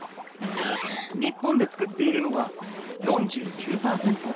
日本で作っているのは４９％。